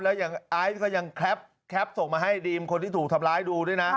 แล้วอย่างไอซ์ก็ยังแคปส่งมาให้ดีมคนที่ถูกทำร้ายดูด้วยนะ